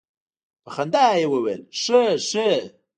په خندا يې وويل خه خه.